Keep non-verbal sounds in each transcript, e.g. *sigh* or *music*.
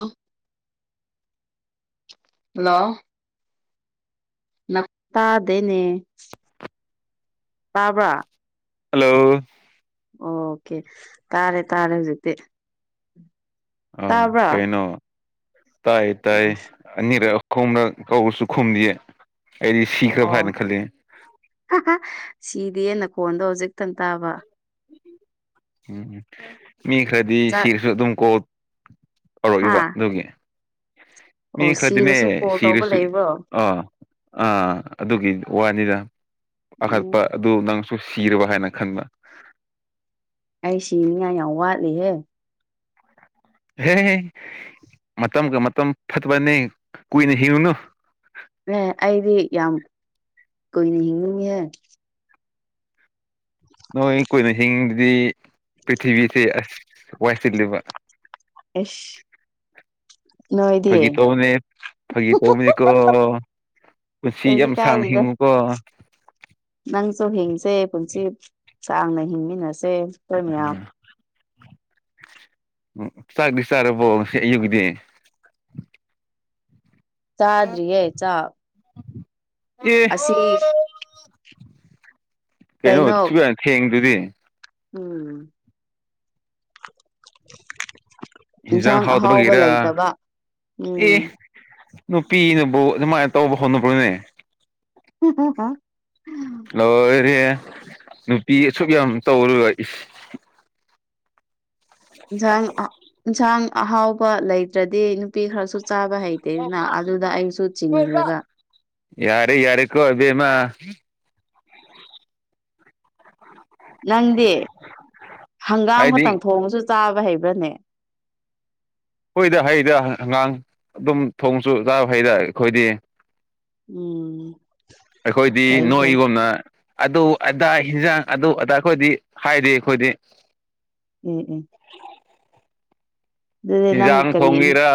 ꯑ *unintelligible* ꯍꯜꯂꯣ ꯇꯥꯗꯦꯅꯦ ꯇꯥꯕ꯭ꯔꯥ ꯍꯜꯂꯣ ꯑꯣꯀꯦ ꯇꯥꯔꯦ ꯇꯥꯔꯦ ꯍꯧꯖꯤꯛꯇꯤ ꯑ ꯇꯥꯕ꯭ꯔꯥ ꯀꯩꯅꯩꯅꯣ ꯇꯥꯏ ꯇꯥꯏ ꯑꯣ ꯑꯅꯤꯔ ꯈꯨꯝꯅ ꯀꯧꯕꯁꯨ ꯈꯨꯝꯅꯤꯌꯦ ꯑꯣ ꯁꯤꯗꯤꯅ ꯐꯣꯟꯗꯣ ꯍꯧꯖꯤꯛꯇꯪ ꯇꯥꯕ ꯎꯝ ꯃꯤ ꯈꯔꯗꯤ ꯆꯥꯛ ꯁꯤꯔꯁꯨ ꯑꯗꯨꯝ ꯀꯣ ꯍꯥ ꯇꯧꯔꯛꯏꯕ ꯑꯗꯨꯒꯤ ꯃꯤ ꯑꯣ ꯀ꯭ꯔꯗꯤꯃꯦ ꯁꯤꯔꯁꯨ ꯀꯣꯜ ꯇꯧꯕ ꯁꯤꯤꯔꯁꯨ ꯂꯩꯕ꯭ꯔꯣ ꯑ ꯑꯥ ꯑꯗꯨꯒꯤ ꯋꯥꯅꯤꯅ ꯎꯝ ꯑꯥꯈꯠꯄ ꯑꯗꯨ ꯅꯪ ꯁꯨ ꯁꯤꯔꯕ ꯍꯥꯏꯅ ꯈꯟꯕ ꯑꯩ ꯁꯤꯅꯤꯉꯥꯏ ꯌꯥꯝ ꯋꯥꯠꯂꯤꯍꯦ ꯍꯦ ꯃꯇꯝꯒ ꯃꯇꯝ ꯐꯠꯇꯕꯅꯦ ꯀꯨꯏꯅ ꯍꯤꯡꯉꯨꯅꯨ ꯑꯦ ꯑꯩꯗꯤ ꯌꯥꯝ ꯀꯨꯏꯅ ꯍꯤꯡꯅꯤꯡꯉꯤꯍꯦ ꯅꯣꯏ ꯀꯨꯏꯅ ꯍꯤꯡꯗꯨꯗꯤ ꯄ꯭ꯔꯤꯊꯤꯕꯤꯁꯤꯦ ꯑꯁ ꯋꯥꯏꯁꯤꯂꯕ ꯑꯦꯁ ꯅꯣꯏꯗꯤ ꯐꯒꯤ ꯇꯣꯅꯤ ꯐꯒꯤ ꯇꯣꯅꯤ ꯀ ꯄꯨꯟꯁꯤ ꯀꯩꯁꯨ ꯌꯥꯝ ꯁꯥꯡꯅ ꯀꯥꯏꯗꯦꯗ ꯍꯤꯡꯉꯨꯀꯣ ꯅꯪꯁꯨ ꯍꯤꯡꯁꯦ ꯄꯨꯟꯁꯤ ꯁꯥꯡꯅ ꯍꯤꯡꯃꯤꯟꯅꯁꯦ ꯑꯩꯈꯣꯏ ꯃꯌꯥꯝ ꯎꯝ ꯆꯥꯛꯗꯤ ꯆꯥꯔꯕꯣ ꯑꯌꯨꯛꯗꯤ ꯆꯥꯗ꯭ꯔꯤꯑꯌꯦ ꯆ ꯑꯦ ꯑꯁꯤ ꯑꯁꯤ ꯀꯩꯅꯣꯁꯨ ꯊꯦꯡꯗꯨꯗꯤ ꯎꯝ ꯍꯟꯖꯥꯡ ꯏꯟꯁꯥꯡ ꯑꯍꯥꯎꯕ ꯍꯥꯎꯗꯕꯒꯦꯔ ꯂꯩꯇꯕ ꯑꯦ ꯎꯝ ꯅꯨꯄꯤꯅꯕꯨ ꯑꯗꯨꯃꯥꯏꯅ ꯇꯧꯕ ꯍꯣꯠꯅꯕꯅꯦ ꯎ ꯍ ꯀ ꯂꯣꯏꯔꯦ ꯅꯨꯄꯤ ꯑꯁꯨꯛ ꯌꯥꯝ ꯇꯧꯔꯒ ꯏꯟꯁꯥꯡ ꯏꯟꯁꯥꯡ ꯑꯍꯥꯎꯕ ꯂꯩꯇ꯭ꯔꯗꯤ ꯅꯨꯄꯤ ꯈꯔꯁꯨ ꯆꯥꯕ ꯍꯩꯇꯦꯗꯅ ꯑꯗꯨꯗ ꯑꯩꯁꯨ ꯆꯤꯡꯈ꯭ꯔꯦꯕ ꯌꯥꯔꯦ ꯌꯥꯔꯦꯀꯣ ꯑꯗꯨꯕꯦꯝꯃ ꯅꯪꯗꯤ ꯍꯪꯒꯥꯝ ꯈꯛꯇꯪ ꯑꯩꯗꯤ ꯊꯣꯡꯉꯁꯨ ꯆꯥꯕ ꯍꯩꯕ ꯎꯅꯦ ꯍꯨꯏꯗ ꯍꯩꯗ ꯑꯪꯒꯥꯥꯡ ꯑꯗꯨꯝ ꯊꯣꯡꯁꯨ ꯆꯥꯕ ꯍꯩꯗ ꯑꯩꯈꯣꯏꯗꯤ ꯎꯝ ꯑꯩꯈꯣꯏꯗꯤ ꯐꯩ ꯐꯩ ꯅꯣꯏꯒꯨꯝꯅ ꯑꯗꯨ ꯑꯗꯥ ꯌꯦꯟꯖꯥꯡ ꯑꯗꯨ ꯑ ꯑꯩꯈꯣꯏꯗꯤ ꯍꯥꯏꯗꯤ ꯑꯩꯈꯣꯏꯗꯤ ꯎꯝ ꯎꯝ ꯑꯗꯨꯗꯤ ꯅꯪ ꯍꯤꯟꯖꯥꯡ ꯀꯔꯤ ꯊꯣꯡꯒꯦꯔ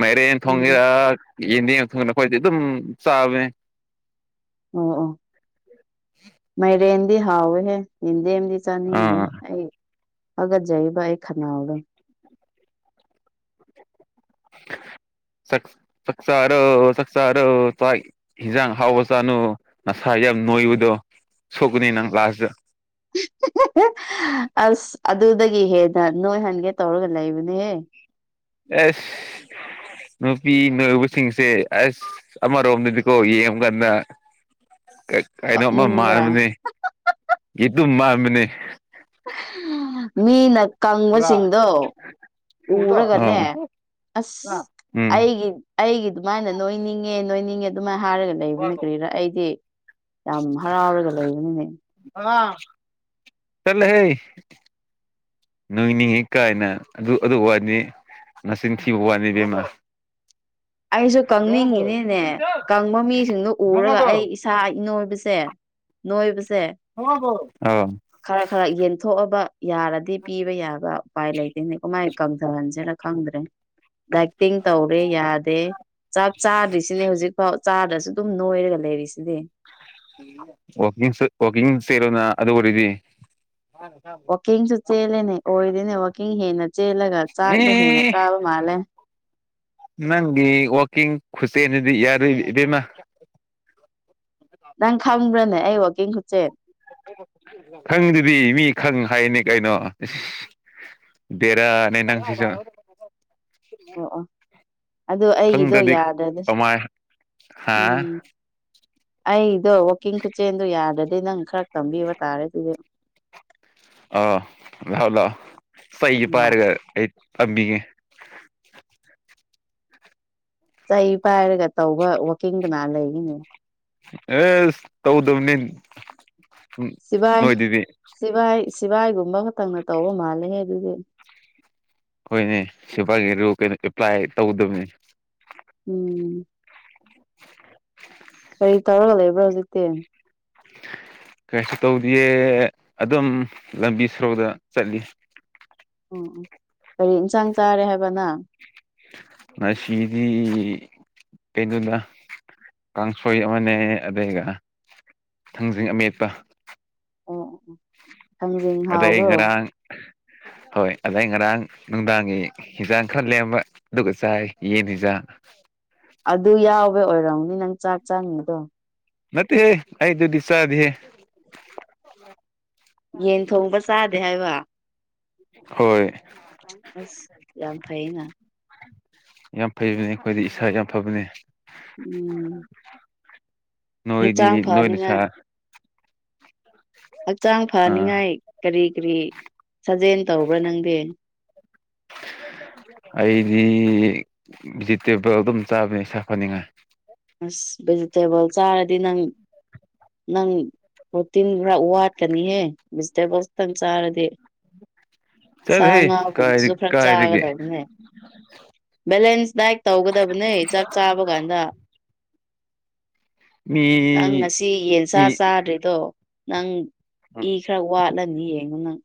ꯃꯥꯏꯔꯦꯟ ꯎꯝ ꯊꯣꯡꯒꯦꯔ ꯌꯦꯟꯗꯦꯝ ꯊꯨꯡꯅ ꯑꯩꯈꯣꯏꯗꯤ ꯑꯗꯨꯝ ꯆꯥꯕꯃꯦ ꯑꯣ ꯑꯣ ꯃꯔ ꯏꯗꯤ ꯍꯥꯥꯎꯋꯍꯦ ꯏ ꯂꯦꯝꯗꯤ ꯆꯥꯅꯤꯡꯗꯦ ꯑꯥ ꯑꯩ ꯐꯒꯠꯆꯕ ꯑꯩ ꯈꯅꯥꯎꯗꯣ *inaudible* ꯆ ꯆꯆꯥꯔ ꯆꯆꯥꯔ ꯆ ꯍꯖꯥꯡ ꯍꯥꯎ ꯆꯥꯅ ꯅꯆꯥꯥꯏꯔ ꯑꯩ ꯌꯥꯝ ꯅꯣꯏꯕꯨꯗꯣ ꯁꯣꯛꯀꯅꯤ ꯅꯪ ꯂꯥꯁꯇ ꯑꯁ ꯑꯗꯨꯗꯒꯤ ꯍꯦꯟꯅ ꯅꯣꯏꯍꯟꯒꯦ ꯇꯧꯔꯒ ꯂꯩꯕꯅꯦꯍꯦ ꯑꯦꯁ *inaudible* ꯅꯨꯄꯤ ꯅꯣꯏꯕꯁꯤꯡꯁꯦ ꯑꯁ ꯑꯃꯔꯣꯝꯗꯗꯤꯀꯣ ꯌꯦꯡ ꯀꯥꯟꯗ ꯀꯩꯅꯣꯝꯃ ꯀꯞꯅꯤꯡꯕ꯭ꯔꯥ ꯃꯕꯅꯤ ꯌꯦꯠꯇ ꯃꯕꯅꯤ ꯃꯤꯅ ꯀꯪꯕꯁꯤꯡꯗꯣ ꯎꯔꯒꯅꯦ ꯑꯣ ꯑꯁ ꯎꯝ ꯑꯩꯒꯤ ꯑꯩꯒꯤ ꯑꯗꯨꯃꯥꯏꯅ ꯅꯣꯏꯅꯤꯡꯉꯦ ꯅꯣꯏꯅꯤꯡꯉꯦ ꯑꯗꯨꯃꯥꯏꯅ ꯍꯥꯏꯔꯒ ꯂꯩꯕꯅꯦ ꯀꯔꯤꯔꯥ ꯑꯩꯗꯤ ꯌꯥꯝ ꯍꯔꯥꯎꯔꯒ ꯂꯩꯕꯅꯤꯅꯦ ꯆꯂ ꯍꯦ ꯅꯣꯏꯅꯤꯡꯉꯤ ꯀꯥꯏꯅ ꯑꯗꯨ ꯑꯗꯨ ꯋꯥꯅꯤ ꯃꯁꯤꯡ ꯃꯁꯤꯡꯤꯟ ꯊꯤꯕ ꯋꯥꯅꯤ ꯕꯦꯝꯃ ꯑꯩꯁꯨ ꯀꯪꯅꯤꯡꯉꯤꯅꯤꯅꯦ ꯀꯪꯕ ꯃꯤꯁꯤꯡꯗꯨꯣ ꯎꯔꯒ ꯑꯩ ꯏꯁꯥ ꯏꯅꯣꯏ ꯁꯦ ꯅꯣꯏꯕꯁꯦ ꯑꯧ ꯈꯔ ꯈꯔ ꯌꯦꯟꯊꯣꯛꯑꯕ ꯌꯥꯔꯗꯤ ꯄꯤꯕ ꯌꯥꯕ ꯎꯄꯥꯏ ꯂꯩꯇꯦꯅꯦ ꯀꯃꯥꯏꯅ ꯀꯪꯊꯍꯟꯁꯦꯅ ꯈꯪꯗ꯭ꯔꯦ ꯑꯦꯇꯤꯡ ꯇꯧꯔꯤ ꯌꯥ ꯑ ꯆꯥꯛ ꯆꯥꯗ꯭ꯔꯤꯁꯤꯅꯦ ꯍꯧꯖꯤꯛꯐꯥꯎ ꯆꯥꯗ꯭ꯔꯁꯨ ꯑꯗꯨꯝ ꯅꯣꯏꯔꯒ ꯂꯩꯔꯤꯁꯤꯅꯦ ꯋꯥꯀꯤ ꯋꯥꯀꯤꯡ ꯆꯔꯣꯅ ꯑꯗꯨ ꯑꯣꯏꯔꯗꯤ ꯋꯥꯛꯀꯤꯡꯁꯨ ꯆꯦꯜꯂꯦꯅꯦ ꯑꯣꯏꯗꯣꯏꯅꯦ ꯋꯥꯛꯀꯤꯡ ꯍꯦꯟꯅ ꯆꯦꯜꯂꯒ ꯆꯥꯛꯗꯣ ꯍꯦꯟꯅ ꯑꯦ ꯆꯥꯕ ꯃꯥꯜꯂꯦ ꯅꯪꯒꯤ ꯋꯥꯀꯤꯡ ꯈꯨꯁꯦꯅꯗꯤ ꯌꯥꯔ ꯏꯕꯦꯝꯃ ꯅꯪ ꯈꯪꯕ꯭ꯔꯅꯦ ꯑꯩ ꯋꯥꯋꯥꯛꯀꯤꯡ ꯈꯨꯠꯆꯦ ꯈꯪꯗꯨꯗꯤ ꯃꯤ ꯈꯪ ꯍꯥꯏꯅꯤ ꯀꯩꯅꯣ ꯗꯦꯔ ꯅ ꯅꯪꯁꯤꯁꯨ ꯑꯣ ꯑ ꯑꯣ ꯑꯩꯒꯤꯗꯣ ꯈꯪꯗ꯭ꯔꯗꯤ ꯌꯥꯗꯗꯤ ꯀꯃꯥꯏ ꯍꯥ ꯎꯝ ꯑꯩꯗꯣ ꯋꯥꯛꯀꯤꯡ ꯈꯨꯠꯁꯦꯟꯗꯣ ꯌꯥꯗꯗꯤ ꯅꯪ ꯈꯔ ꯇꯝꯕꯤꯕ ꯇꯥꯔꯦ ꯑꯗꯨꯗꯤ ꯑꯥ ꯂꯥꯛꯑꯣ ꯂꯥꯛꯑꯣ ꯐꯩꯒꯦ ꯎꯝ ꯄꯥꯏꯔꯒ ꯑꯩ ꯑꯝꯕꯤꯒꯦ *unintelligible* ꯆꯩ ꯄꯥꯏꯔꯒ ꯇꯧꯕ ꯋꯥꯋꯥꯛꯀꯤꯡ ꯀꯅꯥ ꯂꯩꯔꯤꯅꯦ ꯑꯦꯁ ꯇꯧꯗꯕꯅꯤ ꯁꯤꯕꯥꯥꯏ ꯅꯣꯏꯗꯨꯗꯤ ꯁꯤꯕꯥꯥꯏ ꯁꯤꯚꯥꯏꯒꯨꯝꯕ ꯈꯛꯇꯪꯅ ꯇꯧꯕ ꯃꯥꯜꯂꯦ ꯑꯗꯨꯗꯤ ꯍꯣꯏꯅꯦ ꯁꯐꯥꯏꯒꯤꯔꯣ ꯀꯩꯅꯣ ꯑꯦꯄ꯭ꯂꯥꯏ ꯇꯧꯗꯕꯅꯤ ꯎꯝ ꯑꯩ ꯇꯧꯔꯒ ꯂꯩꯕ꯭ꯔꯥ ꯍꯧꯖꯤꯛꯇꯤ ꯀꯩꯁꯨ ꯇꯧꯗꯦ ꯑꯗꯨꯝ ꯂꯝꯕꯤ ꯁꯣꯔꯣꯛꯗ ꯆꯠꯂꯤ ꯎꯝ ꯎ ꯀꯔꯤ ꯏꯟꯁꯥꯡ ꯆꯥꯔꯦ ꯍꯥꯏꯕꯅ ꯉꯁꯤꯗꯤ ꯀꯩꯗꯨꯗ ꯀꯥꯡꯁꯣꯏ ꯑꯃꯅꯦ ꯑꯗꯨꯒ ꯊꯥꯡꯖꯤꯡ ꯑꯃꯦꯠꯇ ꯑꯣ ꯑꯣ ꯑꯣ ꯊꯥꯡꯖꯤꯡ ꯑꯗꯩ ꯍꯥꯎꯕ꯭ꯔꯣ ꯉꯔꯥꯡ ꯍꯣꯏ ꯑꯗꯩ ꯉꯔꯥꯡ ꯅꯨꯡꯗꯥꯡꯒꯤ ꯍꯤꯟꯖꯥꯡ ꯈꯔ ꯂꯦꯝꯕ ꯑꯗꯨꯒ ꯆꯥꯛ ꯌꯦꯟ ꯍꯤꯖꯥꯡ ꯑꯗꯨ ꯌꯥꯎꯕ ꯑꯣꯏꯔꯝꯅꯤ ꯅꯪ ꯆꯥꯛ ꯆꯥꯉꯤꯗꯣ ꯃꯠꯇꯦ ꯍꯦ ꯑꯩꯗ ꯁ ꯑꯗꯨꯗꯦ ꯌꯦꯟ ꯊꯣꯡꯕ ꯆꯥꯗꯦ ꯍꯥꯏꯕ ꯍꯣꯏ ꯑꯁ ꯌꯥꯝꯝ ꯐꯩꯅ ꯌꯥꯝ ꯐꯩꯕꯅꯦ ꯑꯩꯈꯣꯏꯗꯤ ꯏꯁꯥ ꯌꯥꯝ ꯐꯕꯅꯦ ꯎꯝ ꯅꯣꯏꯗꯤ ꯍꯛꯆꯥꯡ ꯅꯣꯏꯅ ꯁꯥ ꯐꯅꯤꯡꯉꯥꯏ ꯍꯛꯆꯥꯡ ꯑꯥ ꯐꯅꯤꯉꯥꯏ ꯀꯔꯤ ꯀꯔꯤ ꯁꯥꯖꯦꯜ ꯇꯧꯕ꯭ꯔꯥ ꯅꯪꯗꯤ ꯑꯩꯗꯤ ꯚꯤꯖꯤꯇꯦꯕꯜ ꯑꯗꯨꯝ ꯆꯥꯕꯅꯦ ꯁꯥꯐꯅꯤꯉꯥꯏ ꯑꯁ ꯚꯦꯖꯤꯇꯦꯕꯜ ꯆꯥꯔꯗꯤ ꯅꯪ ꯅꯪ ꯄ꯭ꯔꯣꯇꯤꯟ ꯈꯔ ꯋꯥꯠꯀꯅꯤꯍꯦ ꯚꯤꯖꯤꯇꯦꯕꯜꯁꯇꯪ ꯆꯥꯔꯗꯤ ꯁꯥ ꯆꯠꯂꯍꯦ ꯀꯥꯏ ꯉꯥꯕꯒꯤꯁꯨ ꯈꯔ ꯀꯥꯏꯗꯒꯤ ꯆꯥꯒꯗꯕꯅꯦ ꯕꯦꯂꯦꯟꯁ ꯗꯥꯏꯛ ꯇꯧꯒꯗꯕꯅꯦ ꯆꯥꯛ ꯆꯥꯕ ꯀꯥꯟꯗ ꯃꯤ ꯅꯪ ꯉꯁꯤ ꯌꯦꯟꯁꯥ ꯃꯤ ꯆꯥꯗ꯭ꯔꯤꯗꯣ ꯅꯪ ꯏ ꯈꯔ ꯋꯥꯠꯂꯅꯤ ꯌꯦꯡꯉꯣ ꯅꯪ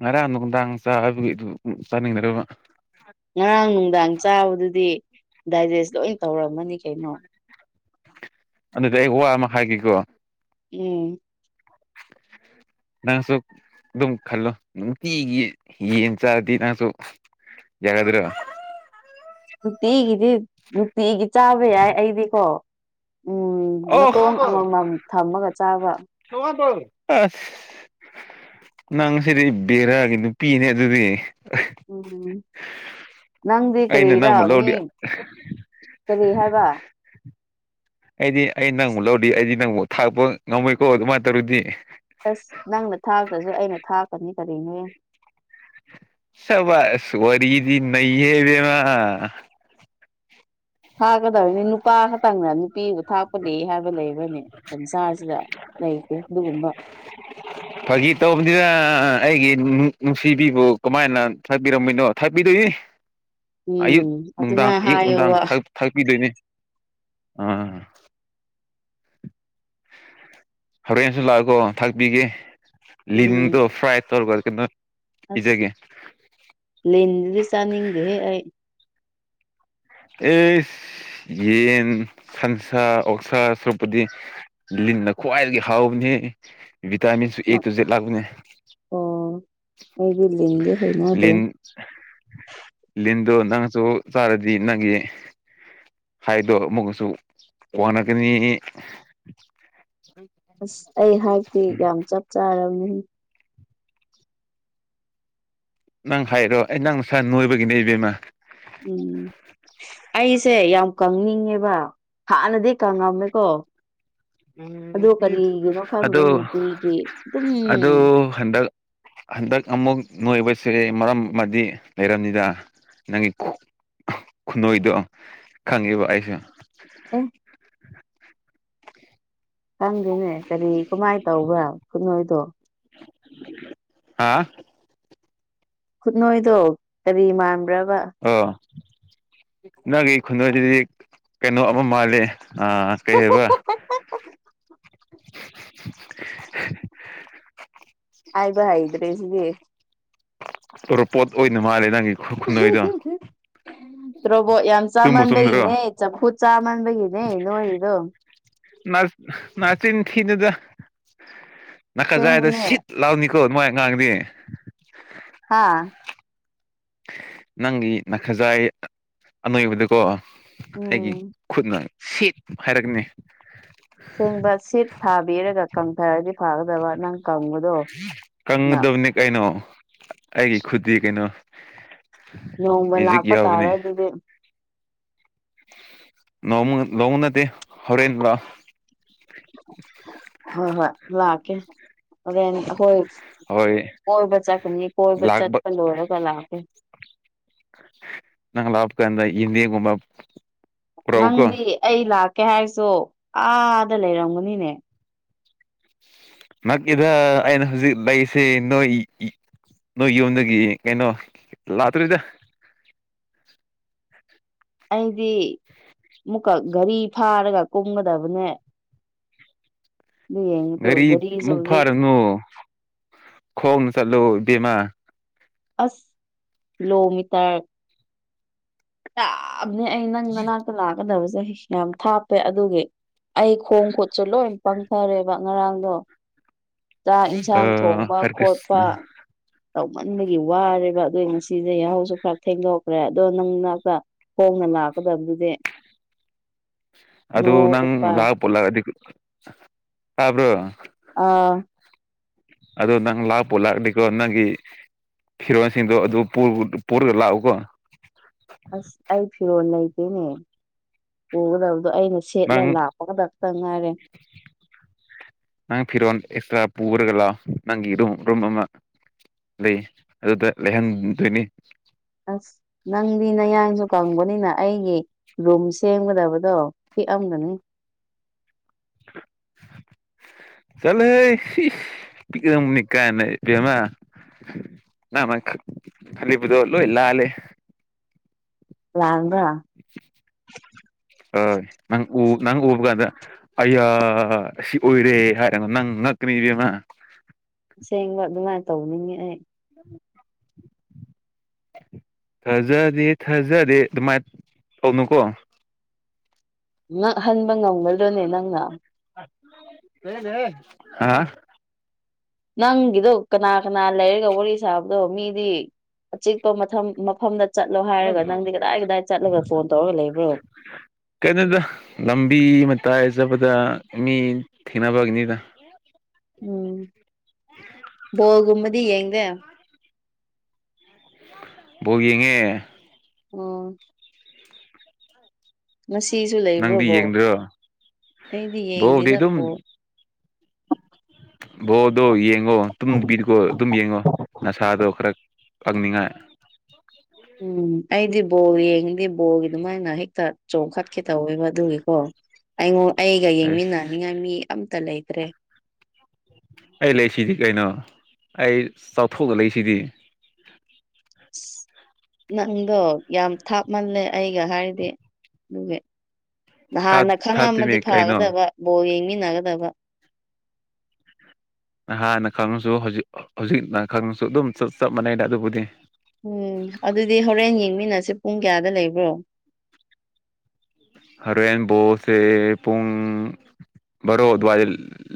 ꯉꯔꯥꯡꯗꯗꯥꯥꯡ ꯆ ꯆꯥꯅꯤꯡꯗꯕ ꯉꯔꯥꯡ ꯅꯨꯡꯗꯥꯡ ꯆꯥꯕꯗꯨꯗꯤ ꯗꯥꯏꯖꯦꯁ ꯂꯣꯏ ꯇꯧꯔꯝꯃꯅꯤ ꯀꯩꯅꯣ ꯑꯗꯨꯗꯤ ꯑꯩ ꯋꯥ ꯑꯃ ꯍꯥꯏꯒꯦꯀꯣ ꯎꯝ ꯅꯪꯁꯨ ꯑꯗꯨꯝ ꯈꯜꯂꯣ ꯅꯨꯡꯇꯤꯒꯤ ꯌꯦꯟ ꯆꯥꯔꯗꯤ ꯅꯪꯁꯨ ꯌꯥꯔ ꯑꯗꯨ꯭ꯔꯣ ꯅꯨꯡꯇꯤꯒꯤꯗꯤ ꯅꯨꯡꯇꯤꯒꯤ ꯆꯥꯕ ꯌꯥꯏ ꯑꯩꯗꯤꯀꯣ ꯎꯝ ꯃꯇꯣꯡ ꯑꯣ ꯑꯃꯃꯝ ꯊꯝꯃꯒ ꯆꯥꯕ ꯑꯁ ꯅꯪ ꯁꯤꯗꯤ ꯕꯦꯔꯥꯒꯤ ꯅꯨꯄꯤꯅꯦ ꯑꯗꯨꯗꯤ ꯎꯝ ꯅꯪꯗꯤ ꯑꯩꯅ ꯀ꯭ꯔꯦꯔꯥ ꯅꯪꯕꯨ ꯃꯤ ꯂꯧꯔꯗꯤ ꯀꯔꯤ ꯍꯥꯏꯕ ꯑꯩꯗꯤ ꯑꯩ ꯅꯪꯕꯨ ꯂꯧꯗꯤ ꯑꯩꯗꯤ ꯅꯪꯕꯨ ꯊꯥꯛꯛꯄ ꯉꯝꯃꯣꯏꯀꯣ ꯑꯗꯨꯃꯥꯏꯅ ꯇꯧꯔꯨꯗꯤ ꯁꯔꯅꯦ ꯁꯕꯥꯁ ꯋꯔꯤꯗꯤ ꯅꯩꯌꯦꯕ ꯊꯥꯛꯀꯗꯕꯅꯤ ꯅꯨꯄꯥ ꯈꯛꯇꯪꯅ ꯅꯨꯄꯤꯕꯨ ꯊꯥꯛꯄ ꯂꯩ ꯍꯥꯏꯕ ꯂꯩꯕ ꯁꯥꯁꯤꯗ ꯂꯩꯇꯦ ꯑꯗꯨꯒꯨꯝꯕ ꯐꯥꯒꯤ ꯇꯧꯕꯅꯤꯗ ꯑꯩꯒꯤ ꯅꯨꯡꯁꯤꯕꯤꯕꯨ ꯀꯃꯥꯏꯅ ꯊꯥꯛꯄꯤꯔꯝꯃꯤꯅꯣ ꯊꯥꯛꯄꯤꯗꯣꯏꯅꯤ ꯑꯌꯨꯛ ꯎꯝ ꯅꯨꯡꯗꯥꯡ ꯑꯗꯨꯃꯥꯏꯅ ꯑꯌꯨꯛ ꯅꯨꯡꯗꯥꯡ ꯍꯥꯏꯌꯣꯕ ꯊꯥꯒꯛꯄꯤꯗꯣꯏꯅꯦ ꯑ ꯍꯣꯔꯦꯟꯁꯨ ꯂꯥꯛꯑꯀꯣ ꯊꯥꯛꯄꯤꯒꯦ ꯂꯤꯟꯗꯣ ꯎꯝ ꯐ꯭ꯔꯥꯏ ꯇꯧꯔꯒ ꯀꯩꯅꯣ ꯑꯁ ꯄꯤꯖꯒꯦ ꯂꯦꯟꯗꯨꯗꯤ ꯆꯥꯅꯤꯡꯗꯦꯍꯦ ꯑꯩ ꯑꯦ ꯌꯦꯟ ꯁꯟꯁꯥ ꯑꯣꯛꯁꯥ ꯁꯔꯨꯄꯗꯤꯤ ꯂꯤꯟꯅ ꯈ꯭ꯋꯥꯏꯗꯒꯤ ꯍꯥꯎꯕꯅꯤ ꯚꯤꯇꯥꯃꯤꯟꯁꯨ ꯑꯦ ꯇꯨ ꯖꯦꯗ ꯂꯥꯛꯄꯅꯦ ꯑꯣ ꯑꯩꯗꯤ ꯂꯤꯟꯗꯤ ꯍꯩꯅꯗ꯭ꯔꯦ ꯂꯤꯟ ꯂꯤꯟ ꯑꯗꯣ ꯅꯪꯁꯨ ꯆꯥꯔꯗꯤ ꯅꯪꯒꯤ ꯍꯥꯏꯗꯣ ꯃꯨꯣꯏꯛꯁꯨ ꯀꯅꯒꯅꯤ ꯑꯁ ꯑꯩ ꯍꯥꯏꯇꯤ ꯌꯥꯝ ꯆꯞ ꯆꯥꯔꯝꯃꯤ ꯅꯪ ꯍꯥꯏꯔꯣ ꯑꯩ ꯅꯪ ꯈꯔꯥ ꯅꯣꯏꯕꯒꯤꯅꯦ ꯏꯕꯦꯝꯃ ꯎꯝ ꯑꯩꯁꯦ ꯌꯥꯝ ꯀꯪꯅꯤꯡꯉꯦꯕ ꯍꯥꯟꯅꯗꯤ ꯀꯪꯉꯝꯃꯦꯀꯣ ꯑꯗꯣ ꯀꯔꯤꯒꯤꯅꯣ ꯈꯪꯗꯦ ꯑꯗꯣ ꯅꯨꯡꯇꯤꯒꯤ ꯑꯗꯨꯝ ꯑꯗꯨꯗ ꯍꯟꯗ ꯍꯟꯗꯛ ꯑꯃꯨꯛ ꯅꯣꯏꯕꯁꯦ ꯃꯔꯝ ꯑꯃꯗꯤ ꯂꯩꯔꯕꯝꯅꯤꯗ ꯅꯪꯒꯤ ꯈꯨꯅꯣꯏꯗꯣ ꯈꯪꯉꯦꯕ ꯑꯩꯁꯨ ꯎꯝ ꯈꯪꯗꯦꯅꯦ ꯀꯔꯤ ꯀꯃꯥꯏꯅ ꯇꯧꯕ꯭ꯔꯥ ꯈꯨꯠꯅꯣꯏꯗꯣ ꯍꯥꯥ ꯈꯨꯠꯅꯣꯏꯗꯣ ꯀꯔꯤ ꯃꯥꯟꯕ꯭ꯔ ꯑꫭ ꯅꯪꯒꯤ ꯈꯨꯗꯏꯁꯤꯗꯤ ꯀꯩꯅꯣ ꯑꯃ ꯃꯥꯜꯂꯤ ꯑꯥ ꯀꯩ ꯍꯥꯏꯕ *unintelligible* ꯍꯥꯏꯕ ꯍꯩꯗ꯭ꯔꯦꯁꯤꯗꯤ ꯑꯣꯔꯣ ꯄꯣꯠ ꯑꯣꯏꯅ ꯃꯥꯜꯂꯦ ꯅꯪꯒꯤ ꯈꯨꯅꯣꯏꯗꯣ *unintelligible* ꯔꯣꯕꯣꯠ ꯌꯥꯝ ꯆꯨꯝꯕꯨ ꯆꯨꯝꯗ꯭ꯔꯣ ꯆꯥꯃꯟꯕꯒꯤꯅꯦ ꯆꯝꯐꯨꯠ ꯆꯥꯃꯟꯕꯒꯤꯅꯦ ꯅꯣꯏꯔꯤꯗꯣ ꯅꯥꯆꯤꯟ ꯊꯤꯗꯨꯗ ꯅꯥꯀꯖꯗꯨ ꯑꯁꯦꯡꯕꯅꯦ ꯁꯤꯠ ꯂꯥꯎꯅꯤ ꯀꯃꯥꯏ ꯉꯥꯡꯗꯤ ꯍꯥꯥ ꯅꯪꯒꯤ ꯈꯖꯥꯏ ꯑꯅꯣꯏꯕꯗꯀꯣ ꯑꯩꯒꯤ ꯎꯝ ꯈꯨꯠꯅ ꯁꯦꯠ ꯍꯥꯏꯔꯒꯅꯤ ꯁꯦꯡꯕ ꯁꯤꯠ ꯊꯥꯕꯤꯔꯒ ꯀꯪꯊꯔꯗꯤ ꯐꯥꯒꯗꯕ ꯅꯪ ꯀꯪꯕꯗꯣ ꯅ ꯀꯪꯒꯕꯅꯤ ꯀꯩ ꯑꯩꯒꯤ ꯈꯨꯗꯤ ꯀꯩꯅꯣ ꯅꯣꯡꯃ ꯃꯦꯖꯤꯛ ꯂꯥꯛꯄ ꯇꯥꯔꯦ ꯌꯥꯎꯕꯅꯦ ꯑꯗꯨꯗꯤ ꯂꫭꯡꯕ ꯂꯥꯎꯅꯗꯦ ꯍꯣꯔꯟ ꯂ ꯍꯣꯏ ꯍꯣꯏ ꯂꯥꯛꯀꯦ ꯍꫭꯔꯦꯟꯗꫭ꯫ ꯍꯣꯏ ꯀꯣꯏꯕ ꯆꯠꯀꯅꯤ ꯀꯣꯏꯕ ꯂꯥꯛꯄ ꯆꯠꯄ ꯂꯣꯏꯔꯒ ꯂꯥꯛꯀꯦ꯫ ꯅꯪ ꯂꯥꯛꯄꯀꯥꯟꯗ ꯌꯦꯟꯗꯦꯡꯒꯨꯝꯕ ꯅꯪꯗꯤ ꯑꯩ ꯂꯥꯛꯀꯦ ꯍꯥꯏꯔꯁꯨ ꯑꯥꯗ ꯂꯩꯔꯝꯒꯅꯤꯅꯦ꯫ ꯅꯛꯏꯗ ꯑꯩꯅ ꯍꯧꯖꯤꯛ ꯂꯩꯔꯤꯁꯦ ꯅꯣꯏ ꯏ ꯅꯣꯏ ꯌꯨꯝꯗꯒꯤ ꯀꯩꯅꯣ ꯂꯥꯛꯇꯣꯔꯤꯗ꯫ ꯑꯩꯗꯤ ꯑꯃꯨꯛꯀ ꯒꯥꯔꯤ ꯐꯥꯔꯒ ꯀꯨꯝꯒꯗꯕꯅꯦ꯫ *unintelligible* ꯒꯥꯔꯤ ꯒꯥꯔꯤꯁꯨ ꯃꯨꯛ ꯍꯧꯖꯤꯛ ꯐꯔꯅꯨ ꯈꯣꯡꯅ ꯆꯠꯂꯨ ꯏꯕꯦꯝꯃꯥ꯫ ꯑꯁ ꯀꯤꯂꯣꯃꯤꯇꯔ ꯑ ꯅꯦ ꯑꯩ ꯅꯪ ꯅꯅꯥꯛꯇ ꯂꯥꯛꯀꯗꯕꯁꯦ ꯌꯥꯝ ꯊꯥꯞꯄꯦ ꯑꯗꯨꯒꯤ꯫ ꯑꯩ ꯈꯣꯡ ꯈꯨꯠꯁꯨ ꯂꯣꯏ ꯄꯪꯊꯔꯦꯕ ꯉꯔꯥꯡꯗꯣ꯫ ꯆꯥꯛ ꯌꯦꯟꯁꯥꯡ ꯊꯣꯡꯕ ꯈꯣꯠꯄꯥ ꯍꯔꯀ꯭ꯔꯤꯁ ꯇꯧꯃꯟꯕꯒꯤ ꯋꯥꯔꯦꯕ ꯑꯗꯨ ꯉꯁꯤꯁꯦ ꯌꯥꯍꯧꯁꯨ ꯈꯔ ꯊꯦꯡꯗꯣꯛꯈ꯭ꯔꯦ ꯑꯗꯣ ꯅꯪ ꯅꯥꯛꯇ ꯍꯣꯡ ꯂꯀ ꯇꯝꯗꯨꯗꯦ ꯑꯗꯨ ꯅꯪ ꯂꯥꯛ ꯄꯨꯜꯂꯒꯗꯤ ꯇꯥꯕ꯭ꯔꯣ ꯑꯥ ꯑꯗ ꯅꯪ ꯂꯥꯛꯄ ꯂꯥꯛꯑꯗꯤꯀꯣ ꯅꯪꯒꯤ ꯐꯤꯔꯣꯟꯁꯤꯡꯗꯣ ꯑꯗꯨ ꯄꯨꯔꯒ ꯂꯥꯛꯎꯀꯣ ꯝ ꯄꯨꯒꯗꯕ ꯑꯗꯣ ꯑꯩꯅ ꯁꯦꯠꯂ ꯅꯪ ꯂꯥꯛꯄꯒꯗꯛꯇ ꯉꯥꯏꯔꯦ꯫ ꯄꯨꯔꯒꯥ ꯂꯥ ꯅꯪꯒꯤꯔꯨꯝ ꯔꯨꯝ ꯑꯃ꯫ ꯂꯩ ꯑꯗꯨꯗ ꯂꯩꯍꯟꯗꯣꯏꯅꯤ꯫ ꯑꯁ ꯅꯪꯗꯤ ꯅꯌꯥꯡꯁꯨ ꯀꯪꯕꯅꯤꯅ ꯑꯩꯒꯤ ꯔꯨꯝ ꯁꯦꯝꯒꯗꯕꯗꯣ ꯄꯤꯛꯑꯝꯒ *unintelligible* ꯆꯜꯂ ꯍꯦ ꯁꯤꯁ ꯄꯤꯛꯔꯝꯒꯅꯤ ꯀꯥꯏꯅ ꯏꯕꯦꯃꯥ꯫ ꯅ ꯥꯏꯃ ꯈ ꯈꯂꯤꯕꯗꫭ ꯂꫭꯏ ꯂꯥꯜꯂꯦ꯫ ꯂꯥꯟ ꯑꫭꯏ ꯅꯪ ꯎ ꯅꯪ ꯎꯕ ꯀꯥꯟꯗ ꯑꯌꯥ ꯁꯤ ꯑꯣꯏꯔꯦ ꯍꯥꯏꯔꯅꯣ ꯅꯪ ꯉꯛꯀꯅꯤ ꯏꯕꯦꯝꯃꯥ꯫ ꯁꯦꯡꯕ ꯑꯗꯨꯃꯥꯏꯅ ꯇꯧꯅꯤꯡꯉꯤ ꯑꯩ꯫ ꯊꯥꯖꯗꯦ-ꯊꯥꯖꯗꯦ ꯑꯗꯨꯃꯥꯏꯅ ꯇꯧꯅꯨꯀꯣ꯫ ꯉꯛꯍꯟꯕ ꯉꯝꯒꯗ꯭ꯔꯣꯅꯦ ꯅꯪꯅ꯫ *unintelligible* ꯅꯪꯒꯤꯗꯣ ꯀꯅꯥ ꯀꯅꯥ ꯂꯩꯔꯒ ꯋꯥꯔꯤ ꯁꯥꯕꯗꯣ ꯃꯤꯗꯤ ꯑꯆꯤꯛꯄ ꯃꯐꯝ ꯃꯐꯝꯗ ꯆꯠꯂꯣ ꯍꯥꯏꯔꯒ ꯅꯪꯗꯤ ꯀꯗꯥꯏ ꯀꯗꯥꯏ ꯆꯠꯂꯒ ꯐꯣꯟ ꯇꯧꯔꯒ ꯂꯩꯕ꯭ꯔꯣ꯫ ꯀꯩꯅꯗ ꯂꯝꯕꯤ ꯃꯇꯥꯏ ꯖꯕꯗ ꯃꯤ ꯊꯦꯡꯅꯕꯒꯤꯅꯤꯗ꯫ ꯎꯝ꯫ *unintelligible* ꯕꫭꯜꯒꯨꯝꯕꯗꯤ ꯌꯦꯡꯗꯦ꯫ ꯕꫭꯜ ꯌꯦꯡꯑꯦ꯫ ꯑꯣ꯫ ꯉꯁꯤꯁꯨ ꯂꯩꯕ꯭ꯔ ꯅꯪꯗꯤ ꯕꯣꯜ ꯌꯦꯡꯗ꯭ꯔꯣ ꯑꯩꯗꯤ ꯕꯣꯜꯗꯤ ꯌꯦꯡꯗꯦꯗ ꯑꯗꯨꯝ ꯕꫭꯜ꯫ ꯕꯣꯜꯗꯣ ꯌꯦꯡꯉꯣ ꯇꯨꯝꯗꯕꯤꯗꯀꯣ ꯑꯗꯨꯝ ꯌꯦꯡꯉꯣ ꯅꯁꯥꯗꯣ ꯈꯔ ꯐꯪꯅꯤꯡꯉꯥꯏ ꯎꯝ ꯑꯩꯗꯤ ꯕꯣꯜ ꯌꯦꯡꯉꯗꯤ ꯕꯣꯜꯒꯤ ꯗꯨꯃꯥꯏꯅ ꯍꯦꯛꯇ ꯆꯣꯡꯈꯠꯀꯦ ꯇꯧꯋꯦꯕ ꯑꯗꯨꯒꯤꯀꯣ꯫ ꯑꯩꯉꯣꯟ ꯑꯩꯒ ꯑꯁ ꯌꯦꯡꯃꯤꯟꯅꯅꯤꯉꯥꯏ ꯃꯤ ꯑꯝꯇ ꯂꯩꯇ꯭ꯔꯦ꯫ ꯑꯩ ꯂꯩꯁꯤꯗꯤ ꯀꯩꯅꯣ ꯑꯩ ꯆꯥꯎꯊꯣꯛꯑꯒ ꯂꯩꯁꯤꯗꯤ꯫ *unintelligible* ꯅꯪꯗꯣ ꯌꯥꯝ ꯊꯥꯞꯃꯜꯂꯦ ꯑꯩꯒ ꯍꯥꯏꯔꯗꯤ ꯑꯗꯨꯒꯒꯤ ꯊꯥꯠ ꯍꯥꯟꯅ ꯈꯪꯉꯝꯃꯗꯤ ꯊꯥꯠꯇꯨꯅꯤ ꯀꯩꯅꯣ ꯐꯥꯒꯗꯕ ꯕꯣ ꯌꯦꯡ ꯃꯤ ꯅꯅꯥꯒꯗꯕ ꯅꯍꯥꯟꯅ ꯈꯪꯁꯨ ꯍꯧꯖꯤꯛ ꯍꯧꯖꯤꯛꯅ ꯈꯪꯁꯨ ꯑꯗꯨꯝ ꯆꯞ ꯃꯥꯟꯅꯩꯗ ꯑꯗꯨꯕꯨꯗꯤ ꯎꯝ ꯑꯗꯨꯗꯤ ꯍꯣꯔꯦꯟ ꯌꯦꯡꯃꯤꯟꯅꯁꯦ ꯄꯨꯡ ꯀꯌꯥꯗ ꯂꯩꯕ꯭ꯔꯣ ꯍꯔꯋꯦꯟ ꯕꯣꯁꯦ ꯄꯨꯡ ꯕꯥꯔꯣ ꯑꯗꯨꯋꯥꯏꯗ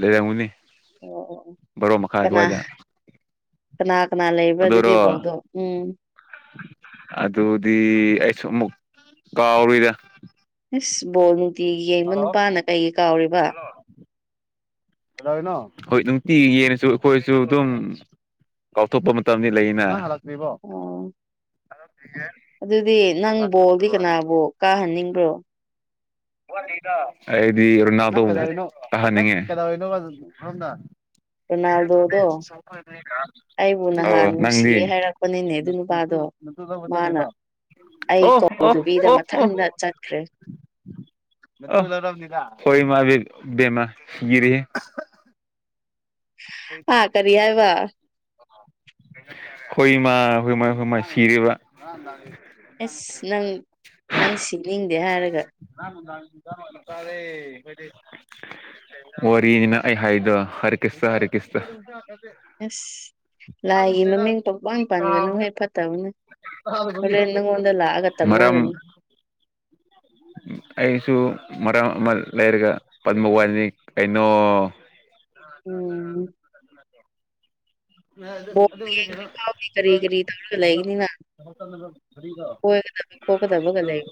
ꯂꯩꯔꯝꯒꯨꯅꯤ ꯑꯣ ꯑꯣ ꯑꯣ ꯕꯥꯔꯣ ꯃꯈꯥꯏ ꯀꯅꯥ ꯑꯗꯨꯋꯥꯏꯗ ꯀꯅꯥ ꯀꯅꯥ ꯂꯩꯕ꯭ꯔꯥ ꯑꯗꯨꯔꯣ ꯑꯗꯨꯗꯤ ꯕꯣꯜꯗꯣ ꯎꯝ ꯑꯗꯨꯗꯤ ꯑꯩꯁꯨ ꯑꯃꯨꯛ ꯀꯥꯎꯔꯗ ꯃꯤꯁ ꯕꯣꯜ ꯅꯨꯨꯇꯤꯒꯤ ꯌꯩꯕ ꯅꯨꯄꯥꯅ ꯀꯩ ꯀꯥꯎꯔꯤꯕ ꯍꯣꯏ ꯅꯨꯡꯇꯤꯒꯤ ꯌꯦꯡꯉꯁꯨ ꯑꯩꯈꯣꯏꯁꯨ ꯑꯗꯨꯝ ꯀꯥꯎꯊꯣꯛꯄ ꯃꯇꯝꯗꯤ ꯂꯩꯅ ꯑꯣ ꯑꯗꯨꯗꯤ ꯅꯪ ꯕꯣꯜꯗꯤ ꯀꯅꯥꯕꯨ ꯀꯥꯍꯟꯅꯤꯡꯕ꯭ꯔꯣ꯫ ꯑꯩꯗꯤ ꯔꫭꯅꯥꯜꯗꫭꯕꯨ ꯀꯥꯍꯟꯅꯤꯡꯉꯦ꯫ ꯔꯣꯅꯥꯜꯗꯣꯗꯣ ꯑꯩꯕꯨ ꯑꯧ ꯅꯍꯥꯟ ꯅꯪꯗꯤ꯫ ꯅꯨꯡꯁꯤꯌꯦ ꯍꯥꯏꯔꯛꯄꯅꯤꯅꯦ ꯑꯗꯨ ꯅꯨꯄꯥꯗꯣ ꯃꯥꯅ ꯑꯩ ꯀꯧꯗꯕꯤꯗ ꯃꯊꯟꯗ ꯆꯠꯈ꯭ꯔꯦ *unintelligible* *inaudible* ꯍꯣꯏ ꯃꯥꯏ ꯕꯦꯃ ꯒꯤꯔꯤ꯫ ꯑꯥ ꯀꯔꯤ ꯍꯥꯏꯕ꯫ ꯍꯣꯏ ꯏꯃꯥ ꯍꯣꯏꯃꯥꯏ ꯍꯣꯏꯃꯥꯏ ꯁꯤꯔꯤꯕ ꯥꯡ ꯇꯔꯦ ꯑꯁ ꯅꯪ ꯅꯪ ꯁꯤꯅꯤꯡꯗꯦ ꯍꯥꯏꯔꯒ ꯑꯀꯗꯦ ꯋꯥꯔꯤꯅꯤꯅ ꯑꯩ ꯍꯥꯏꯗꯣ ꯍꯔꯤ ꯈ꯭ꯁꯇ ꯍꯔꯤ ꯈ꯭ꯁꯇ ꯑꯁ ꯂꯥꯏꯒꯤ ꯃꯃꯤꯡ ꯄꯪꯄ ꯄꯥꯟꯒꯅꯨ ꯍꯦꯛ ꯐꯠꯇꯕꯅꯦ ꯍꯔꯟꯅꯉꯣꯗ ꯂꯥꯛꯑꯒ ꯃꯔꯝ ꯇꯝꯅꯒꯅꯤ ꯑꯩꯁꯨ ꯃꯔꯝ ꯑꯃ ꯂꯩꯔꯒ ꯄꯗꯃ ꯋꯥꯅꯤ ꯀꯩꯅꯣ ꯎꯝ ꯕꯣꯜ ꯑꯗꯨ ꯀ ꯌꯦꯡꯗ꯭ꯔꯤ ꯐꯥꯎꯗꯤ ꯀꯔꯤ ꯀꯔꯤ ꯇꯧꯔꯒ ꯂꯩꯒꯅꯤꯅ ꯀꯣꯏꯒꯗꯕ ꯈꯣꯠꯀꯗꯕꯒ ꯂꯩ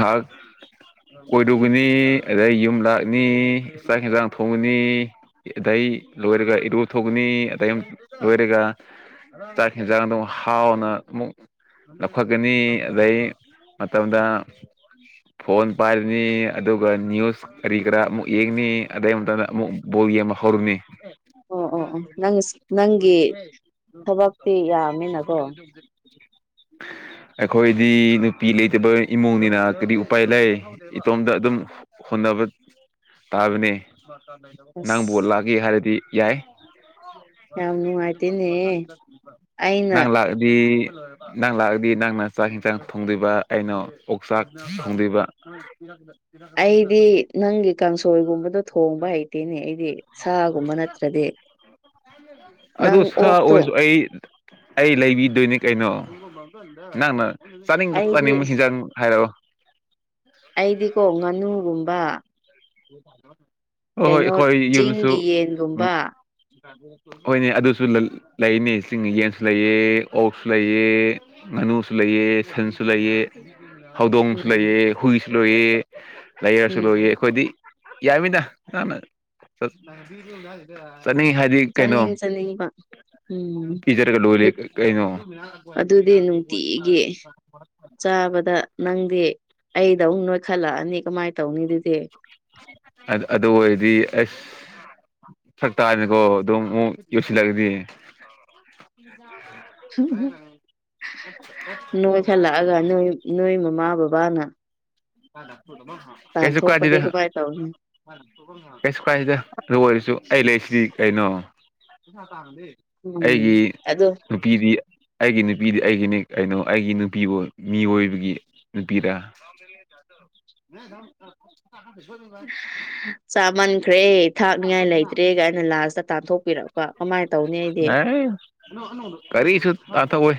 ꯍꯥ ꯀꯣꯏꯔꯨꯕꯅꯤ ꯑꯗꯩ ꯌꯨꯝ ꯂꯥꯛꯅꯤ ꯆꯥꯛ ꯍꯟꯁꯥꯡ ꯊꯣꯡꯉꯅꯤ ꯑꯗꯩ ꯂꯣꯏꯔꯒ ꯏꯔꯨ ꯊꯣꯛꯅꯤ ꯑ ꯂꯣꯏꯔꯒ ꯆꯥꯛ ꯍꯟꯖꯥꯡꯗ ꯑꯃꯨꯛ ꯍꯥꯎꯅ ꯑꯃꯨꯛ ꯂꯧꯈꯠꯀꯅꯤ ꯑꯗꯩ ꯃ ꯑꯣꯗ ꯐꯣꯟ ꯄꯥꯏꯔꯤꯅꯤ ꯑꯗꯨꯒ ꯅ꯭ꯌꯨꯁ ꯀꯔꯤ ꯀꯔꯥ ꯑꯃꯨꯛ ꯌꯦꯡꯅꯤ ꯑꯗꯩꯗ ꯑꯃꯨꯛ ꯍꯔꯅꯤ ꯑꯣ ꯑꯣ ꯑꯣ ꯅꯪ ꯅꯪꯒꯤ ꯊꯕꯛꯇꯤ ꯌꯥꯝꯃꯤꯅꯀꯣ *unintelligible* ꯑꯩꯈꯣꯏꯗꯤ ꯅꯨꯄꯤ ꯂꯩꯇꯕ ꯏꯃꯨꯡꯅꯤꯅ ꯀꯔꯤ ꯎꯄꯥꯏ ꯂꯩ ꯏꯇꯣꯝꯗ ꯑꯗꯨꯝ ꯍꯣꯠꯅꯕ ꯇꯥꯕꯅꯦ ꯑꯁ ꯅꯪ ꯕꯣꯠ ꯂꯥꯛꯒꯦ ꯍꯥꯏꯔꯗꯤ ꯌꯥꯏ ꯌꯥꯝ ꯅꯨꯡꯉꯥꯏꯇꯦꯅꯦ ꯑꯩꯅ ꯅꯪ ꯂꯥꯛꯗꯤ ꯅꯪ ꯂꯥꯛꯑꯗꯤ ꯅꯪꯅ ꯆꯥꯛ ꯌꯦꯟꯁꯥꯡ ꯐꯣꯡꯗꯣꯏꯕ ꯑꯩꯅ ꯑꯣꯛꯆꯥꯛ ꯐꯣꯡꯗꯣꯏꯕ ꯑꯩꯗꯤ ꯅꯪꯒꯤ ꯀꯥꯡꯁꯣꯏꯒꯨꯝꯕꯗꯣ ꯊꯣꯡꯕ ꯍꯩꯇꯦꯅꯦ ꯑꯩꯗꯤ ꯁꯥꯒꯨꯝꯕ ꯅꯠꯇ꯭ꯔꯗꯤ ꯑꯗꯨ ꯅꯪ ꯁꯥ ꯑꯣꯛꯇꯣ ꯑꯣꯏꯁꯨ ꯑꯩ ꯑꯩ ꯂꯩꯕꯤꯗꯣꯏꯅꯦ ꯀꯩꯅꯣ ꯅꯪꯅ ꯆꯥꯅꯤꯡꯗ ꯑꯩꯗꯤ ꯆꯥꯅꯤꯡꯕ ꯍꯤꯟꯖꯥꯡ ꯍꯥꯏꯔꯛꯑꯣ ꯑꯩꯗꯤꯀꯣ ꯉꯥꯅꯨꯒꯨꯝꯕ ꯍꯣꯏ ꯍꯣꯏ ꯀꯩꯅꯣ ꯑꯩꯈꯣꯏ ꯌꯨꯝꯁꯨ ꯆꯤꯡꯒꯤ ꯎꯝ ꯌꯦꯟꯒꯨꯝꯕ ꯍꯣꯏꯅꯦ ꯑꯗꯨꯁꯨ ꯂꯩꯅꯤ ꯆꯤꯡ ꯌꯦꯟꯁꯨ ꯂꯩꯑ ꯑꯣꯛꯁꯨ ꯂꯩꯑ ꯁꯅꯨꯁꯨ ꯂꯩꯥꯏꯌꯦ ꯁꯟꯁꯨ ꯂꯩꯌꯦ ꯍꯧꯗꯣꯡꯁꯨ ꯎꯝ ꯂꯩꯑ ꯍꯨꯏꯁꯨ ꯂꯣꯏꯌꯦ ꯂꯩꯥꯏꯌꯔꯁꯨ ꯎꯝ ꯂꯣꯏꯌꯦ ꯑꯩꯈꯣꯏꯗꯤ ꯌꯥꯃꯤꯗꯥꯅ ꯆꯠꯅꯤ ꯍꯥꯏꯗꯤ ꯀꯩꯅꯣ ꯆꯥꯅꯤꯡ ꯆꯥꯅꯤꯡꯕ ꯎꯝ ꯀꯤꯆꯔ ꯀ ꯗꯣꯂꯤ ꯀꯩꯅꯩꯅꯣ ꯑꯗꯨꯗꯤ ꯇꯥꯕꯗ ꯅꯪꯗꯤ ꯑꯩꯗ ꯑꯃꯨꯛ ꯅꯣꯏꯈꯠꯂꯛꯑꯅꯤ ꯀꯃꯥꯏ ꯇꯧ ꯑꯗꯨ ꯑꯣꯏꯔꯗꯤ ꯑꯁ ꯁꯛꯛꯇꯥꯅꯀꯣ ꯑꯗꯨꯝ ꯑꯃꯨꯛ ꯌꯧꯁꯤꯜꯂꯒꯗꯤ ꯅꯣꯏ ꯊꯜꯂꯛꯑꯒ ꯅꯣꯏ ꯅꯣꯏ ꯃꯃꯥ ꯕꯕꯥ ꯋꯥꯅ ꯍꯗ ꯀꯩꯁꯨ ꯀꯥꯏꯗꯗ ꯀꯃꯥꯏꯅ ꯇꯧꯅꯤ ꯀꯩꯁꯨ ꯀꯥꯏꯁꯤꯗ ꯑꯗꯨ ꯑꯣꯏꯔꯁꯨ ꯑꯩ ꯂꯩꯔꯤꯁꯤꯗꯤ ꯀꯩꯅꯣ ꯎꯝ ꯑꯩꯒꯤ ꯑꯗꯣ ꯅꯨꯄꯤꯗꯤ ꯑꯩꯒꯤ ꯅꯨꯄꯤꯗꯤ ꯑꯩꯒꯤꯅꯤ ꯀꯩꯅꯣ ꯑꯩꯒꯤ ꯅꯨꯄꯤꯕꯨ ꯃꯤꯑꯣꯏꯕꯒꯤ ꯅꯨꯄꯤꯗ ꯃ ꯊ ꯆꯥꯃꯟꯈ꯭ꯔꯦ ꯊꯥꯛꯅꯤꯉꯥꯏ ꯂꯩꯇ꯭ꯔꯦ ꯀꯥꯏꯅ ꯂꯥꯁꯇ ꯇꯥꯟꯊꯣꯛꯄꯤꯔꯛꯄ ꯀꯃꯥꯏꯅ ꯇꯧꯅꯤ ꯑꯩꯗꯤ ꯑ ꯀꯔꯤꯁꯨꯨ ꯑꯊꯣꯏ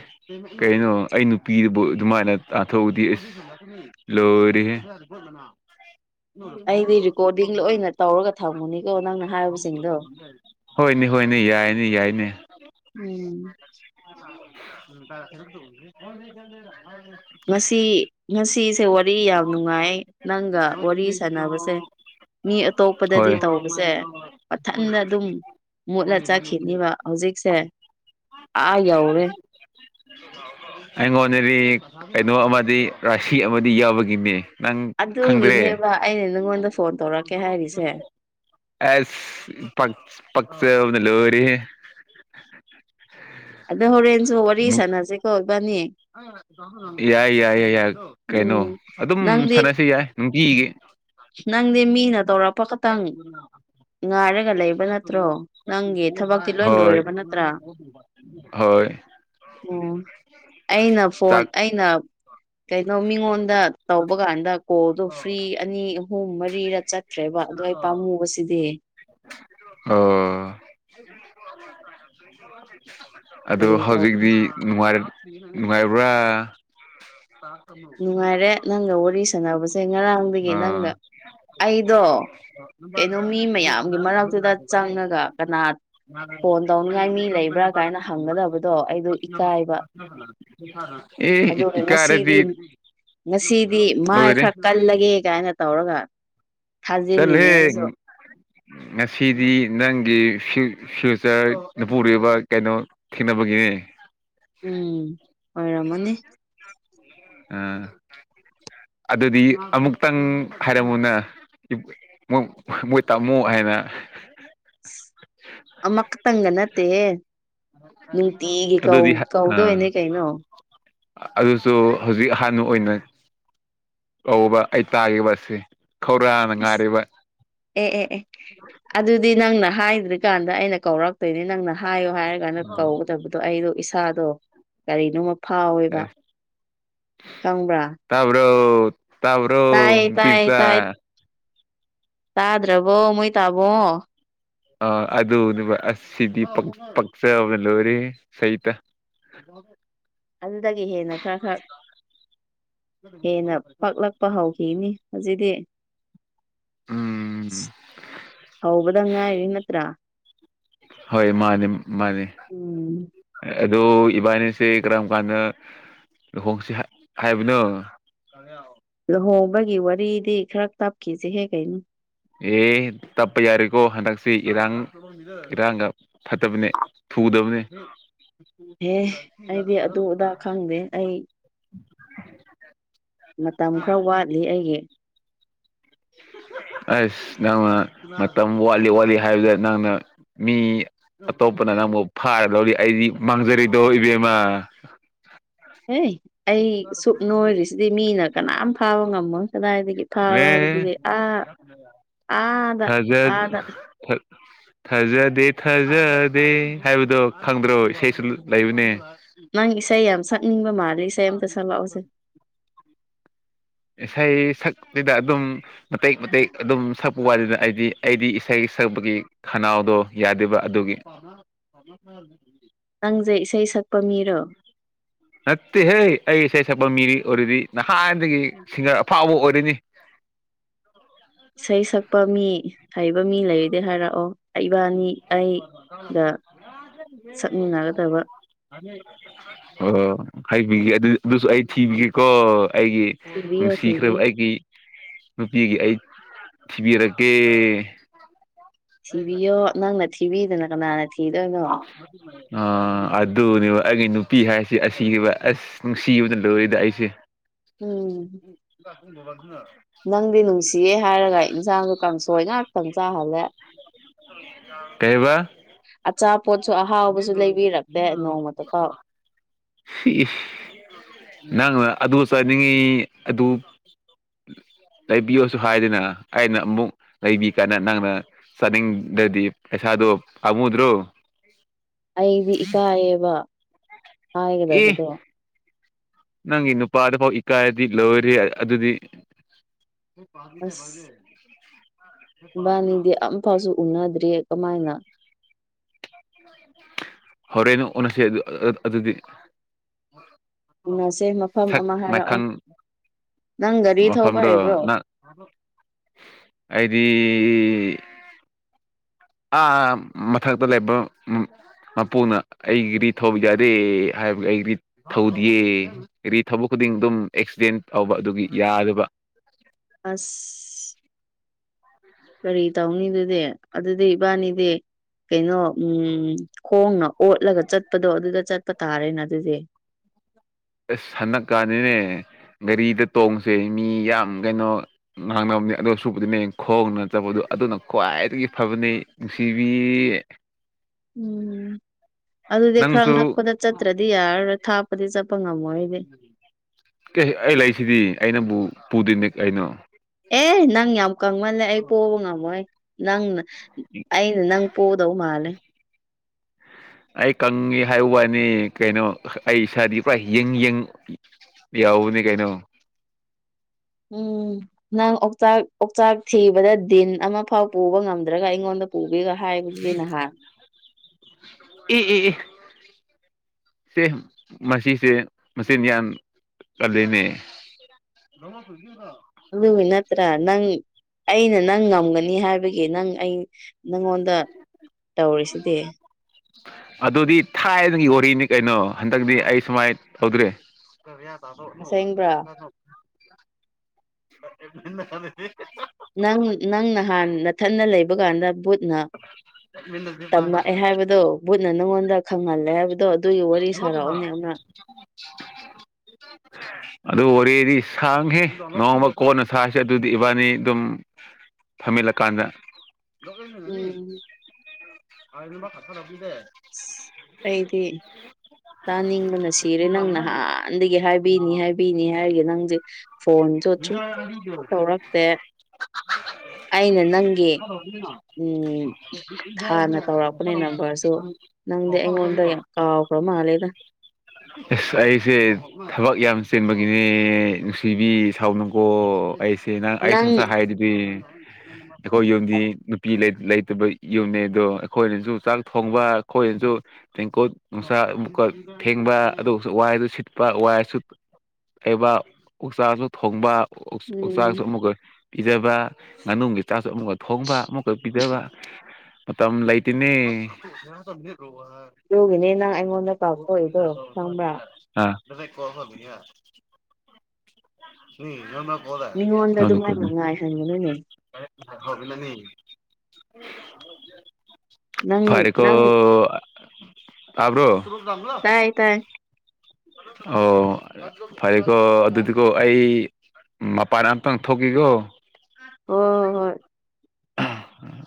ꯀꯩꯅꯣ ꯑꯩ ꯅꯨꯄꯤꯗꯨꯕꯨ ꯑꯗꯨꯃꯥꯏꯅ ꯇꯥꯟꯊꯣꯛꯎꯗꯤ ꯑꯁ ꯂꯣꯏꯔꯦꯍꯦ *unintelligible* ꯑꯩꯗꯤ ꯔꯦꯀꯣꯔꯗꯤꯡ ꯂꯣꯏꯅ ꯇꯧꯔꯒ ꯊꯝꯒꯅꯤꯀꯣ ꯅꯪꯅ ꯍꯥꯏꯕꯁꯤꯡꯗꯣ ꯎ ꯍꯣꯏꯅꯦ ꯍꯣꯏꯅꯦ ꯌꯥꯏꯅꯤ ꯌꯥꯏꯅꯤ ꯎꯝ ꯎꯝ ꯇ ꯈ ꯇ ꯉꯁꯤ ꯉꯁꯤꯁꯦ ꯋꯥꯔꯤ ꯌꯥꯝ ꯅꯨꯡꯉꯥꯏ ꯅꯪꯒ ꯋꯥꯔꯤ ꯁꯥꯟꯅꯕꯁꯦ ꯃꯤ ꯑꯇꯣꯞꯄꯗꯗꯤ ꯍꯣꯏ ꯇꯧꯕꯁꯦ ꯃꯊꯟꯗ ꯑꯗꯨꯝ ꯎꯝ ꯃꯨꯠꯂ ꯆꯠꯈꯤꯅꯤꯕ ꯍꯧꯖꯤꯛꯁꯦ ꯑꯥ ꯌꯧꯔꯦ ꯑꯩꯉꯣꯟꯗꯗꯤ ꯀꯩꯅꯣ ꯑꯃꯗꯤ ꯔꯥꯁꯤ ꯑꯃꯗꯤ ꯌꯥꯎꯕꯒꯤꯅꯦ ꯅꯪ ꯈꯪꯗ꯭ꯔꯦ ꯑꯗꯨꯒꯤꯅꯦꯕ ꯑꯩꯅ ꯅꯪꯉꯣꯟꯗ ꯐꯣꯟ ꯇꯧꯔꯛꯀꯦ ꯍꯥꯏꯔꯤꯁꯦ ꯑꯦ ꯄꯁ ꯂꯣꯔꯤ ꯑꯗ ꯍꯔꯦꯟꯟꯁꯨ ꯋꯥꯔꯤꯁꯥꯅꯁꯤꯦꯣꯦ ꯌꯥꯏ ꯌꯥꯏ ꯌꯥꯏ ꯌꯥ ꯀꯩꯅꯣ ꯎꯝ ꯑꯗꯨꯝ ꯅꯪꯗꯤ ꯁꯥꯟꯅꯁꯤ ꯌꯥꯏ ꯅꯨꯡꯇꯤꯒꯤ ꯅꯪꯗꯤ ꯃꯤꯅ ꯇꯧꯔꯛꯄ ꯈꯛꯇꯪ ꯉꯥꯏꯔꯒ ꯂꯩꯕ ꯅꯠꯇ꯭ꯔꯣ ꯅꯪꯒꯤ ꯊꯕꯛꯇꯤ ꯑꯦꯅ ꯂꯣꯏ ꯍꯣꯏ ꯂꯣꯏꯔꯕ ꯅꯠꯇ꯭ꯔꯥ ꯍꯣꯏ ꯑꯣ ꯑꯩꯅ ꯆꯥꯛ ꯑ ꯃꯤꯉꯣꯟꯗ ꯇꯧꯕ ꯀꯥꯟꯗ ꯀꯣ ꯑꯗꯣ ꯐ꯭ꯔꯤ ꯑꯅꯤ ꯑꯍꯨꯝ ꯃꯔꯤꯔ ꯆꯠꯈ꯭ꯔꯦꯕ ꯑꯗꯣ ꯑꯩ ꯄꯥꯝꯃꯨꯕꯁꯤꯗꯤ *unintelligible* ꯑꯣ ꯑꯗꯨ ꯀꯔꯤ ꯇꯧ ꯍꯧꯖꯤꯛꯇꯤ ꯅꯨꯡꯉꯥꯏꯔ ꯅꯨꯡꯉꯥꯏꯕ꯭ꯔꯥ ꯅꯨꯡꯉꯥꯏꯔꯦ ꯅꯪꯒ ꯋꯥꯔꯤ ꯁꯥꯟꯅꯕꯁꯦ ꯉꯔꯥꯡꯗꯒꯤ ꯅꯪꯒ ꯑꯥ ꯑꯩꯗꯣ ꯀꯩꯅꯣ ꯃꯤ ꯃꯌꯥꯝꯒꯤ ꯃꯔꯛꯇꯨꯗ ꯆꯪꯉꯒ ꯀꯅꯥ ꯐꯣꯟ ꯇꯧꯅꯤꯉꯥꯏ ꯃꯤ ꯂꯩꯕ꯭ꯔꯥ ꯀꯥꯏꯅ ꯍꯪꯒꯗꯕꯗꯣ ꯑꯩꯗꯨ ꯏꯀꯥꯏꯕ ꯑꯦ ꯑꯗꯨꯒ ꯉꯁꯤꯗꯤ ꯏꯀꯥꯏꯔꯗꯤ ꯉꯁꯤꯗꯤ ꯃꯥꯏ ꯂꯣꯏꯔꯦ ꯈꯔ ꯀꯜꯂꯒꯦ ꯀ ꯍꯥꯏꯅ ꯇꯧꯔꯒ ꯆꯠꯂꯦ ꯊꯥꯖꯤꯜꯂꯤꯅꯦ ꯑꯩꯁꯨ ꯉꯁꯤꯗꯤ ꯅꯪꯒꯤ ꯐ꯭ꯌꯨꯆꯔ ꯅꯨꯄꯨꯔꯣꯏꯔꯤꯕ ꯀꯩꯅꯣ ꯊꯦꯡꯅꯕꯒꯤꯅꯦ ꯎꯝ ꯑꯣꯏꯣꯏꯔꯝꯃꯅꯤ ꯑ ꯑꯗꯨꯗꯤ ꯑꯃꯨꯛꯇꯪ ꯍꯥꯏꯔꯝꯃꯨꯅ ꯣꯏ ꯃꯣꯏ ꯇꯝꯃꯨ ꯍꯥꯏꯅ *unintelligible* ꯑꯃꯈꯛꯇꯪꯒ ꯅꯠꯇꯦꯍꯦ ꯅꯨꯡꯇꯤꯒꯤ ꯀꯧ ꯑꯗꯨꯗꯤ ꯑꯥ ꯀꯧꯗꯣꯏꯅꯦ ꯀꯩꯅꯣ ꯑꯗꯨꯁꯨ ꯍꯧꯖꯤꯛ ꯑꯍꯥꯟꯕ ꯑꯣꯏꯅ ꯑꯕ ꯑꯩ ꯇꯥꯒꯦ ꯕꯁꯁꯦ ꯁ ꯑꯦ ꯑꯦ ꯑꯦ ꯑꯗꯨꯗꯤ ꯅꯪꯅ ꯍꯥꯏꯗ꯭ꯔꯤꯀꯥꯟꯗ ꯑꯩꯅ ꯀꯧꯔꯛꯇꯣꯏꯅꯦ ꯅꯪꯅ ꯍꯥꯏꯌꯣ ꯍꯥꯏꯔ ꯀꯥꯟꯗ ꯀꯧꯒꯗꯕꯗꯣ ꯑꯩꯗꯣ ꯁꯥꯗꯣ ꯀꯔꯤꯅꯣꯃ ꯐꯥꯎꯋꯦꯕ ꯑꯁ ꯈꯪꯕ꯭ꯔꯥ ꯇꯕ꯭ꯔꯣ ꯇꯥꯏꯌꯦ ꯇꯥꯏꯌꯦ ꯇꯥꯏ ꯄꯤꯞꯁꯥ ꯇꯥꯗ꯭ꯔꯕꯣ ꯃꯣꯏ ꯇꯥꯕꯣ ꯑ ꯑꯗꯨꯅꯦ ꯁꯤꯗꯤ ꯄꯛꯆꯕꯅ ꯂꯣꯏꯔꯦ ꯁꯍꯤꯇ *unintelligible* ꯑꯗꯨꯗꯒꯤ ꯍꯦꯟꯅ ꯈꯔ ꯈꯔ ꯍꯦꯟꯅ ꯄꯛꯂꯛꯄ ꯍꯧꯈꯤꯅꯤ ꯍꯧꯖꯤꯗꯤ ꯎꯝ ꯍꯧꯕꯗ ꯉꯥꯏꯔꯤ ꯅꯠꯇ꯭ꯔꯥ ꯍꯣꯏ ꯃꯥꯅꯤ ꯃꯥꯅꯤ ꯎꯝ ꯗꯣ ꯏꯕꯥꯅꯤꯁꯦ ꯏ ꯀꯔꯝ ꯀꯥꯟꯅ ꯂꯨꯍꯣꯡꯁꯤ ꯍꯥꯏꯕꯅ ꯂꯨꯍꯣꯡꯕꯒꯤ ꯋꯥꯔꯤꯗꯤ ꯈꯔ ꯇꯞꯈꯤꯁꯦꯍꯦ ꯀꯩꯅꯣ ꯑꯦ ꯇꯞꯄ ꯌꯥꯔꯦꯀꯣ ꯍꯟꯗꯛꯁꯤ ꯏꯔꯥꯡ ꯏꯔꯥꯡꯒ ꯐꯠꯇꯕꯅꯦ ꯊꯨ ꯎꯗꯕꯅꯦ ꯑꯦꯦ ꯑꯩꯗꯤ ꯑꯗꯨ ꯑꯗꯥ ꯈꯪꯗꯦ ꯑꯩ *unintelligible* ꯃꯇꯝ ꯈꯔ ꯋꯥꯠꯂꯤ ꯑꯩꯒꯤ *inaudible* ꯑꯁ ꯅꯪꯅ ꯃꯇꯝ ꯋꯥꯠꯂꯤ ꯋꯥꯠꯂꯤ ꯍꯥꯏꯕꯗ ꯅꯪꯅ ꯃꯤ ꯑꯇꯣꯞꯄꯅ ꯅꯪꯕꯨ ꯐꯥꯔꯗ ꯂꯧꯔꯤ ꯑꯩꯗꯤ ꯃꯥꯡꯖꯔꯤꯗꯣ ꯏꯕꯦꯝꯃ *inaudible* ꯑꯦꯦ ꯑꯩ ꯁꯨꯞꯨꯞ ꯅꯣꯏꯔꯤꯁꯤꯗꯤ ꯃꯤꯅ ꯀꯅꯥꯝ ꯐꯥꯕ ꯉꯃꯣ ꯀꯗꯥꯏꯗꯒꯤ ꯐꯥꯕ ꯍꯥꯏꯕꯗꯨꯗꯤ ꯑꯥ ꯑꯥꯗ ꯊꯖꯠ ꯑꯥꯗ ꯊꯥꯖꯗꯦ ꯊꯥꯖꯗꯦ ꯍꯥꯏꯕꯗꯣ ꯈꯪꯗ꯭ꯔꯣ ꯏꯁꯩꯁꯨ ꯂꯩꯕꯅꯦ ꯅꯪ ꯏꯁꯩ ꯌꯥꯝ ꯁꯛꯅꯤꯡꯕ ꯃꯥꯜꯂꯤ ꯏꯁꯩ ꯍ ꯑꯝꯇ ꯍ ꯁꯛꯂꯛꯑꯣꯁꯦ ꯏꯁꯩ ꯁꯛꯁꯤꯗ ꯑꯗꯨꯝ ꯃꯇꯦꯛ ꯃꯇꯦꯛ ꯑꯗꯨꯝ ꯁꯛꯄ ꯋꯥꯅꯤꯗ ꯍꯥꯏꯗꯤ ꯑꯩꯗꯤ ꯏꯁꯩ ꯁꯛꯄꯒꯤ ꯈꯅꯥꯎꯗꯣ ꯌꯥꯗꯦꯕ ꯑꯗꯨꯒꯤ ꯅꯪꯖꯦ ꯏꯁꯩ ꯁꯛꯄ ꯃꯤꯔꯣ ꯅꯠꯇꯦꯍꯦ ꯑꯩ ꯏꯁꯩ ꯁꯛꯄ ꯃꯤꯔꯤ ꯑꯣꯏꯔꯗꯤ ꯅꯍꯥꯟꯗꯒꯤ ꯁꯤꯡꯒꯔ ꯑꯐꯥꯎꯕ ꯑꯣꯏꯔꯅꯤ ꯏꯁꯩ ꯁꯛꯄ ꯃꯤ ꯍꯩꯕ ꯃꯤ ꯂꯩꯔꯗꯤꯦ ꯍꯥꯏꯔꯛꯑꯣ ꯏꯕꯥꯅꯤ ꯑꯩꯒ ꯁꯛꯃꯤꯟꯅꯒꯗꯕ ꯎꯝ ꯑꯣ ꯍꯥꯏꯕꯤꯒ ꯑꯗꯨꯁꯨ ꯑꯩ ꯊꯤꯕꯒꯦꯀꯣ ꯑꯩꯒꯤ ꯊꯤꯕꯤꯌꯣ ꯅꯨꯡꯁꯤꯈ꯭ꯔꯕ ꯊꯤꯕꯤꯌꯣ ꯑꯩꯒꯤ ꯅꯨꯄꯤꯒꯤ ꯑꯩ ꯊꯤꯕꯤꯔꯛꯀꯦ ꯊꯤꯕꯤꯌꯣ ꯅꯪꯅ ꯊꯤꯕꯤꯗꯅ ꯀꯅꯥꯅ ꯊꯤ ꯑ ꯑꯗꯨ ꯑꯗꯨꯅꯤꯕ ꯑꯩꯒꯤ ꯅꯨꯄꯤ ꯍꯥꯏꯁꯤ ꯑꯁꯤꯕ ꯑꯁ ꯅꯨꯡꯁꯤꯕꯗ ꯂꯣꯏꯔꯤꯗ ꯑꯩꯁꯦ ꯎꯝ ꯎꯨꯡ ꯀꯕꯕꯥꯁꯨꯅ ꯅꯪꯗꯤ ꯅꯨꯡꯁꯤꯌꯦ ꯍꯥꯏꯔꯒ ꯏꯟꯁꯥꯡꯁꯨ ꯀꯥꯡꯁꯣꯏ ꯉꯥꯛꯇꯪ ꯆꯥꯍꯜꯂꯦ ꯀꯩꯕ ꯑꯆꯥꯄꯣꯠꯁꯨ ꯑꯍꯥꯎꯕꯁꯨ ꯂꯩꯕꯤꯔꯛꯇꯦ ꯅꯣꯡꯃꯗ ꯄꯥꯎ ꯅꯪꯅ ꯑꯗꯨ ꯆꯥꯅꯤꯡꯉꯤ ꯑꯗꯨ ꯎ ꯂꯩꯕꯤꯌꯣꯁꯨ ꯍꯥꯏꯗꯅ ꯑꯩꯅ ꯑꯃꯨꯛ ꯂꯩꯕꯤ ꯀꯥꯟꯗ ꯅꯪꯅ ꯆꯥꯅꯤꯡꯗ꯭ꯔꯗꯤ ꯄꯩꯁꯥ ꯑ ꯑꯗꯨꯣ ꯑꯃꯨꯗ꯭ꯔꯣ ꯑꯩꯗꯤ ꯏꯀꯥꯏꯌꯦꯕ ꯑꯦ ꯍꯥꯏꯒꯗꯕꯗꯣ ꯅꯪ ꯏ ꯅꯨ ꯄꯥꯗ ꯐꯥꯎ ꯀꯥꯏꯗꯤ ꯂꯧꯔꯤ ꯑꯗꯨꯗꯤ ꯑꯁ ꯏꯕꯥꯅꯤꯗꯤ ꯑꯝꯐꯥꯎꯁꯨ ꯎꯅꯗ꯭ꯔꯤꯌꯦ ꯀꯃꯥꯏꯅ ꯍꯣꯔꯦꯟꯅ ꯎꯟꯅꯁꯤ ꯑꯗꯨꯗꯤ ꯎꯅꯁꯦ ꯃꯐꯝ ꯊꯦꯛ ꯑꯃ ꯍꯥꯏꯔꯛꯑꯣ ꯃꯥꯏꯈꯥꯟ ꯅꯪ ꯒꯥꯔꯤ ꯊꯧꯕ ꯃꯐꯝꯐꯝꯗꯣ ꯍꯩꯕ꯭ꯔꯣ ꯅ ꯑꯩꯗꯤ ꯎ ꯑꯥ ꯃꯊꯛꯇ ꯂꯩꯕ ꯃꯄꯨꯅ ꯑꯩꯒꯤꯔꯤ ꯊꯧꯕ ꯌꯥꯗꯦ ꯍꯥꯏꯕꯒꯤ ꯑꯩꯗꯤ ꯊꯧꯗꯤꯌꯦ ꯍꯥꯏꯗꯤ ꯊꯕꯛ ꯈꯨꯗꯤꯡ ꯑꯗꯨꯝ ꯑꯦꯛꯁꯤꯗꯦꯟ ꯇꯧꯕ ꯑꯗꯨꯒꯤ ꯌꯥꯗꯕ ꯑꯁ ꯀꯔꯤ ꯇꯧꯅꯤꯗꯨꯗꯤ ꯑꯗꯨꯗꯤ ꯏꯕꯥꯅꯤꯗꯤ ꯀꯩꯅꯣ ꯎꯝ ꯈꯣꯡꯅ ꯑꯣꯠꯂꯒ ꯆꯠꯄꯗꯣ ꯑꯗꯨꯗ ꯆꯠꯄ ꯇꯥꯔꯦꯅ ꯑꯗꯨꯗꯤ *unintelligible* ꯑꯁ ꯍꯟꯗꯛꯀꯥꯟꯅꯤꯅꯦ ꯒꯥꯔꯤꯗ ꯇꯣꯡꯁꯦ ꯃꯤ ꯌꯥꯝ ꯀꯩꯅꯣ ꯉꯥꯡꯅꯕ ꯑꯗꯨ ꯁꯨꯕꯗꯤꯅꯦ ꯈꯣꯡꯅꯅ ꯆꯠꯄꯗꯣ ꯑꯗꯨꯅ ꯈ꯭ꯋꯥꯏꯗꯒꯤ ꯐꯕꯅꯤ ꯅꯨꯡꯁꯤꯕꯤ ꯎꯝ ꯑꯗꯨꯗꯤ ꯈꯔ ꯅꯪꯁꯨ ꯅꯛꯄꯗ ꯆꯠꯇ꯭ꯔꯗꯤ ꯌꯥꯔꯔ ꯊꯥꯛꯄꯗꯤ ꯆꯠꯄ ꯉꯝꯃ ꯀ ꯑꯩ ꯂꯩꯁꯤꯗꯤ ꯑꯩꯅꯕꯨ ꯄꯨꯗꯣꯏꯅꯦ ꯀꯩꯅꯣ ꯑꯦ ꯅꯪ ꯌꯥꯝ ꯀꯪꯃꯜꯂꯦ ꯑꯩ ꯄꯣꯕ ꯉꯝꯃꯣꯏ ꯅꯪꯅ ꯑꯩꯅ ꯅꯪ ꯄꯗꯧ ꯃꯥꯜꯂꯦ ꯑꯩ ꯀꯪꯉꯦ ꯍꯥꯏ ꯋꯥꯅꯤ ꯀꯩꯅꯣ ꯑꯩ ꯏꯁꯥꯗꯤ ꯄꯨꯔꯥ ꯌꯦꯡ ꯌꯦꯡ ꯏ ꯌꯥꯨ ꯅ ꯀꯥꯏꯅ ꯎꯝ ꯅꯪ ꯑꯣꯛꯆꯥꯛ ꯑꯣꯛꯆꯥꯛ ꯊꯤꯕꯗ ꯗꯤꯟ ꯑꯃ ꯐꯥꯎ ꯄꯨꯕ ꯉꯝꯗ꯭ꯔꯒ ꯑꯩꯉꯣꯟꯗ ꯄꯨꯕ ꯑꯦ ꯑꯦ ꯑꯦ ꯃꯁꯤꯁ ꯃꯁꯤ ꯌꯥꯌꯥꯟꯗꯅꯦ ꯅꯃ ꯊꯒꯗ ꯑꯗꯨꯒꯤ ꯅꯠꯇ꯭ꯔꯥ ꯅꯪ ꯑꯩꯅ ꯅꯪ ꯉꯝꯒꯅꯤ ꯍꯥꯏꯕꯒꯤ ꯅꯪ ꯑꯩ ꯅꯪꯉꯣꯟꯗ ꯇꯧꯔꯤꯁꯤꯗꯤ ꯑꯗꯨꯗꯤ ꯊꯥꯏꯒꯤ ꯑꯣꯏꯔꯤꯅꯤ ꯀꯩꯅꯣ ꯍꯟꯗꯛꯇꯗꯤ ꯑꯩ ꯁꯨꯃꯥꯏꯅ ꯇꯧꯗ꯭ꯔꯦ ꯁꯥꯂ ꯑꯁꯦꯡꯕ꯭ꯔꯥ ꯄ ꯁꯥꯥ ꯅꯪ ꯅꯪ ꯅꯍꯥꯟꯅ ꯊꯟꯅ ꯂꯩꯕ ꯀꯥꯟꯗ ꯕꯨꯠ ꯅ ꯇꯝꯃꯛꯑꯦ ꯍꯥꯏꯕꯗꯣ ꯕꯨꯠꯅ ꯅꯪꯉꯣꯟꯗ ꯈꯪꯍꯜꯂꯦ ꯍꯥꯏꯕꯗ ꯑꯗ ꯑꯣꯔ ꯑꯦꯗꯤ ꯁꯥꯡꯈꯤ ꯅꯣꯡꯃ ꯀꯣꯟꯅ ꯁꯥꯁꯦ ꯑꯗꯨꯗꯤ ꯏꯕꯥꯅꯤ ꯑꯗꯨꯝ ꯐꯝꯃꯤꯜꯂꯀꯥꯟꯗ ꯎꯝ ꯑꯩꯩꯗꯤ ꯇꯥꯅꯤꯡꯕꯅ ꯁꯤꯔꯦ ꯅꯪ ꯅꯍꯥꯟꯗꯒꯤ ꯍꯥꯏꯕꯤꯅꯤ ꯍꯥꯏꯕꯤꯅꯤ ꯍꯥꯏꯒ ꯅꯪꯗꯤ ꯐꯣꯟꯁꯨ ꯑꯁꯨꯝ ꯇꯧꯔꯛꯇꯦ ꯑꯩꯅ ꯅꯪꯒꯤ ꯎꯝ ꯍꯥꯟꯅ ꯇꯧꯔꯛꯄꯅꯦ ꯅꯝꯕꯔꯁꯨ ꯅꯪꯗꯤ ꯑꯩꯉꯣꯟꯗ ꯌꯥꯝ ꯀꯥꯎꯈ꯭ꯔ ꯃꯥꯜꯂꯦꯗ ꯑꯁ ꯑꯩꯁꯦ ꯊꯕꯛ ꯌꯥꯝ ꯆꯦꯟꯕꯒꯤꯅꯦ ꯅꯨꯡꯁꯤꯕꯤ ꯁꯥꯎꯅꯤꯡꯀꯣ ꯑꯩꯁꯦ ꯅꯪ ꯑꯩ ꯁꯨꯝꯁꯥ ꯍꯥꯏꯗꯨꯗꯤ ꯑꯩꯈꯣꯏ ꯌꯨꯝꯗꯤ ꯅꯨꯄꯤ ꯂꯩ ꯂꯩꯇꯕ ꯌꯨꯝꯅꯦ ꯑꯗꯣ ꯑꯩꯈꯣꯏꯅꯁꯨ ꯆꯥꯛ ꯊꯣꯡꯕ ꯑꯩꯈꯣꯏꯅꯁꯨ ꯇꯦꯡꯀꯣꯠ ꯅꯨꯡꯁꯥ ꯊꯦꯡꯕ ꯑꯗꯨꯒ ꯋꯥꯏꯗꯨ ꯁꯤꯠꯄ ꯋꯥꯏꯁꯨ ꯂꯩꯕ ꯑꯣꯛꯆꯥꯛꯁꯨ ꯊꯣꯡꯕ ꯎꯝ ꯎꯛꯆꯥꯛꯁꯨ ꯑꯃꯨꯛꯀ ꯄꯤꯖꯕ ꯉꯥꯅꯨꯡꯒꯤ ꯆꯥꯛ ꯑꯃꯨꯛꯀ ꯊꯣꯡꯕ ꯑꯃꯨꯛꯀ ꯄꯤꯗꯕ ꯃꯇꯝ ꯂꯩꯇꯅꯦ ꯑꯗꯨꯒꯤꯅꯦ ꯅꯪ ꯑꯩꯉꯣꯟꯗ ꯀꯥꯎꯊꯣꯛꯏꯗꯣ ꯈꯪꯕ꯭ꯔꯥ *unintelligible* ꯀ ꯃꯤꯉꯣꯟꯗ ꯐꯕꯤ ꯑꯗꯨꯃꯥꯏꯅ ꯉꯥꯏꯍꯟꯒꯅꯨꯅꯦ ꯀ ꯍꯧꯕꯤꯂꯅꯤ ꯅꯪ ꯐꯔꯦꯀ ꯅꯪ ꯑꯕ꯭ꯔꯣ ꯇꯥꯏ ꯇꯥꯏ ꯑꯣ ꯐꯔꯦꯀꯣ ꯑꯗꯨꯗꯤ ꯑꯗꯨꯒꯣ ꯑꯩ ꯃꯄꯥꯟ ꯑꯇꯪ ꯊꯣꯛꯀꯦꯀꯣ ꯍꯣꯏ ꯍꯣꯏ ꯍꯣꯏ ꯎꯝ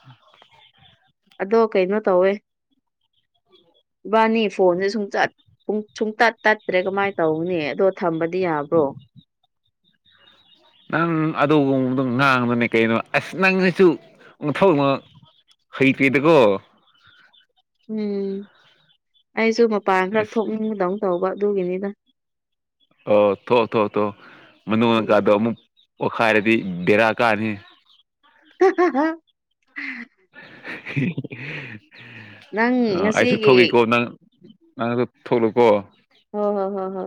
ꯑꯗꯣ ꯀꯩꯅꯣ ꯇꯧꯋꯦ ꯏꯕꯥꯅꯤ ꯐꯣꯟꯁꯦ ꯁꯨꯡꯆꯠꯨꯡ ꯁꯨꯡꯇꯠ ꯇꯠꯇ꯭ꯔꯦ ꯀꯃꯥꯏꯅ ꯇꯧꯅꯤ ꯑꯗꯣ ꯊꯝꯕꯗꯤ ꯌꯥꯕ꯭ꯔꯣ *unintelligible* ꯅꯪ ꯑꯗꯨꯒꯨꯝꯕꯗꯣ ꯉꯥꯡꯕꯅꯦ ꯀꯩꯅꯣ ꯑꯁ ꯅꯪꯁꯤꯁꯨꯊꯧꯅ ꯍꯩꯇꯗ ꯀꯣ ꯎꯝ ꯑꯩꯁꯨ ꯃꯄꯥꯟ ꯈꯔ ꯑꯁ ꯊꯣꯛꯅꯤꯡꯕꯗꯧꯅ ꯇꯧꯕ ꯑꯗꯨꯒꯤꯅꯤꯅ ꯑ ꯊꯣ ꯊꯣ ꯊꯣ ꯃꯅꯨꯡꯗꯀꯥꯗꯣ ꯎꯝ ꯑꯃꯨꯛ ꯑꯣꯈꯥꯏꯔꯗꯤ ꯕꯦꯔꯥ ꯀꯥꯅꯤ *unintelligible* ꯅꯪ ꯑ ꯑꯩꯁꯨ ꯉꯁꯤꯒꯤ ꯊꯣꯛꯏꯀꯣ ꯅꯪ ꯅꯪꯗꯣ ꯊꯣꯛꯂꯨꯀꯣ ꯍ ꯍ ꯍ ꯍ